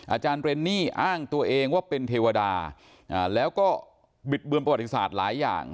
อาจารย์เรนนี่อ้างตัวเองว่าเป็นเทวดาแล้วก็บิดเบือนประวัติศาสตร์หลายอย่าง